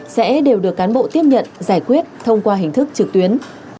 sẽ đều được cán bộ tiếp nhận giải quyết thông qua hình thức trực tuyến